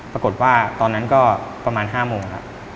ปรากฏว่าตอนนั้นก็ประมาณ๕โมงครับ